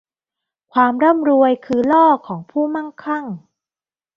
ความร่ำรวยคือล่อของผู้มั่งคั่ง